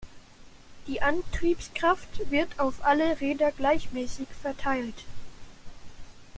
Die Antriebskraft wird auf alle Räder gleichmäßig verteilt.